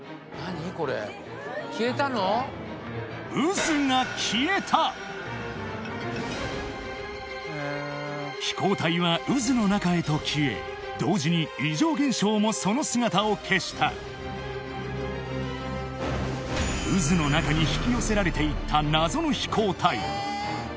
渦が飛行体は渦の中へと消え同時に異常現象もその姿を消した渦の中に引き寄せられていった謎の飛行体